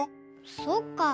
そっか。